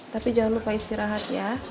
tapi jangan lupa istirahat ya